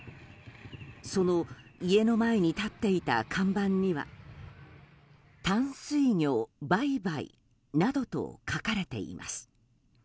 その家の前に立っていた看板には「淡水魚売買」などと書かれています。